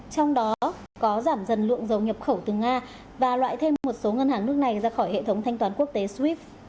trong đó có giảm dần lượng dầu nhập khẩu từ nga và loại thêm một số ngân hàng nước này ra khỏi hệ thống thanh toán quốc tế srip